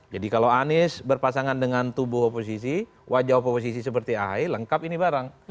jadi kalau anies berpasangan dengan tubuh oposisi wajah oposisi seperti ahi lengkap ini bareng